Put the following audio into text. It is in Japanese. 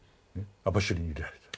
網走に入れられた。